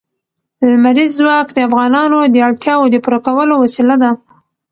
لمریز ځواک د افغانانو د اړتیاوو د پوره کولو وسیله ده.